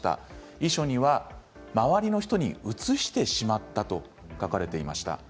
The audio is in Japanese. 遺書には「周りの人にうつしてしまった」と書かれていました。